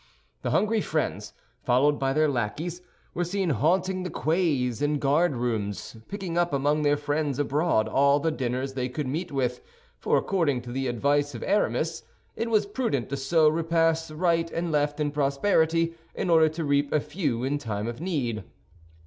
The hungry friends, followed by their lackeys, were seen haunting the quays and Guard rooms, picking up among their friends abroad all the dinners they could meet with; for according to the advice of Aramis, it was prudent to sow repasts right and left in prosperity, in order to reap a few in time of need.